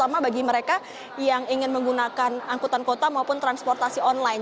mereka yang ingin menggunakan angkutan kota maupun transportasi online